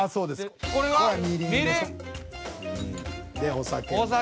でお酒。